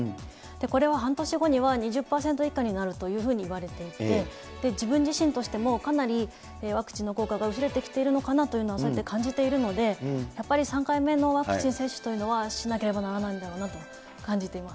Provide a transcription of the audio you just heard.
これは半年後には、２０％以下になるというふうに言われていて、自分自身としても、かなりワクチンの効果が薄れてきているのかなということは、そうやって感じているので、やっぱり３回目のワクチン接種というのは、しなければならないだろうなと感じています。